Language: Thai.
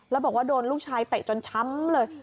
แล้วบอกว่าโดนลูกชายเตะจนช้ำเลย